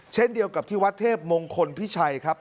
เช่นเดียวกับที่วัดเทพมงคลพิชัยครับ